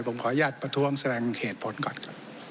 ผมขออนุญาตประท้วงแสดงเหตุผลก่อนครับ